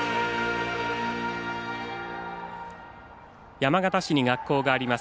山形市に学校があります